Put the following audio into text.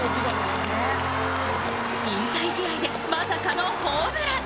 引退試合でまさかのホームラン。